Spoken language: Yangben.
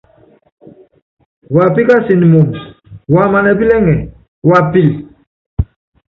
Wapíkasɛn moomb waman ɛpílɛŋɛ wapíli.